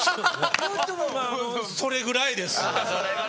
それぐらいです。